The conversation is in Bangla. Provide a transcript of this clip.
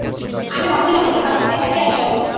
আমি ভাবছিলাম ওনার কারো সাথে অ্যাফেয়ার চলে।